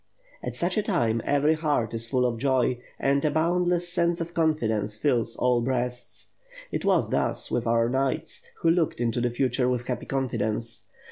At such a time, every heart is full of joy, and a boundless pense of confidence fills all breasts. It was thus with our knights, who looked into the future with happy confidence.